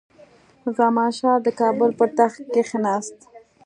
زمانشاه د کابل پر تخت کښېناست.